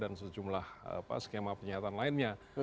dan sejumlah skema penyihatan lainnya